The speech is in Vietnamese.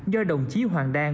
do đồng chí hoàng đan